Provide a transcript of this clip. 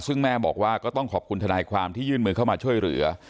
ซึ่งแม่บอกว่าก็ต้องขอบคุณทนายความที่ยื่นมือเข้ามาช่วยเหลือ